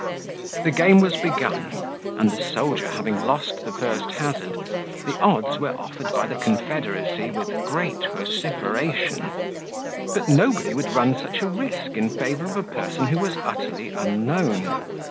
The game was begun, and the soldier having lost the first hazard, the odds were offered by the confederacy with great vociferation; but nobody would run such a risk in favour of a person who was utterly unknown.